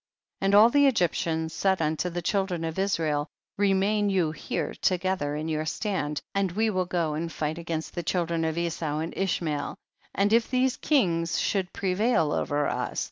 24. And all the Egyptians said unto the children of Israel, remain you here together in your stand and we will go and fi^ht against the chil dren of Esau and Ishmael, and if these kings should prevail over us, * i.